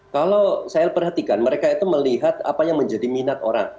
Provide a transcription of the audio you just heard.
kalau saya perhatikan mereka itu melihat apa yang menjadi minat orang